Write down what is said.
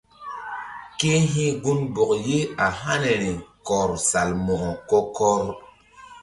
Ke hi̧ gunbɔk ye a haniri kɔr Salmo̧ko kɔ-kɔr.